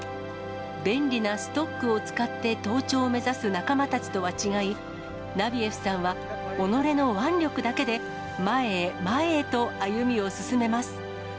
便利なストックを使って登頂を目指す仲間たちとは違い、ナビエフさんは、己の腕力だけで、前へ前へと歩みを進めます。